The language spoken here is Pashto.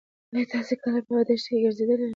ایا تاسې کله په دښته کې ګرځېدلي یاست؟